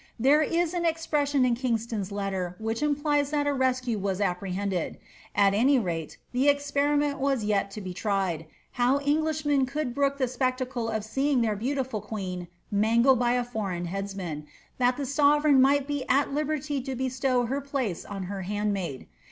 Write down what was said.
There is an expression in Kingston's letter which im plies that a rescue was apprehended ; at any rate, the experiment was yet ^ to be tried, how Englishmen would brook the spectacle of seeing their * beautiful queen mangled by a foreign headsman, that the sovereign might p be at liberty to bestow her place on her handmaid.